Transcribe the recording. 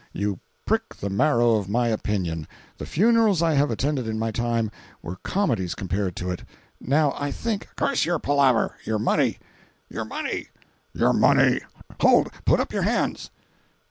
"You prick the marrow of my opinion. The funerals I have attended in my time were comedies compared to it. Now I think—" "Curse your palaver! Your money!—your money!—your money! Hold!—put up your hands!"